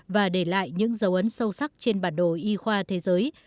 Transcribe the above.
và để lại những dấu ấn sâu sắc trên bản đồ y khoa thế giới